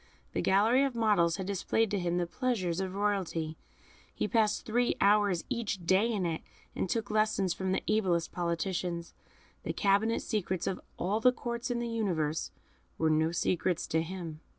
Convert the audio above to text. The gallery of models had displayed to him the pleasures of royalty; he passed three hours each day in it, and took lessons from the ablest politicians. The cabinet secrets of all the Courts in the universe were no secrets to him.